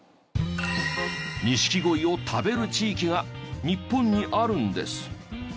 錦鯉を食べる地域が日本にあるんです。